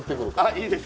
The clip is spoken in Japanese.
いいです。